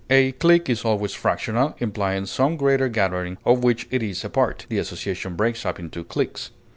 A clique is always fractional, implying some greater gathering of which it is a part; the association breaks up into cliques.